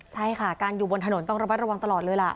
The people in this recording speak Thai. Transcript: ใช่ค่ะการอยู่บนถนนต้องระมัดระวังตลอดเลยล่ะ